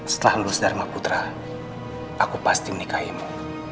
setelah lulus dharma putra aku pasti menikahimu